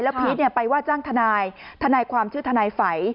แล้วพีทไปว่าจ้างทนายทนายความชื่อทนายไฝ